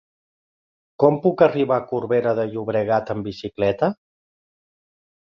Com puc arribar a Corbera de Llobregat amb bicicleta?